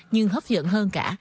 nhưng hấp dẫn hơn cả